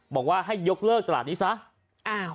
บอกว่าให้ยกเลิกตลาดนี้ซะ